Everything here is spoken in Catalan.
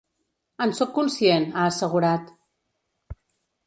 En sóc conscient, ha assegurat.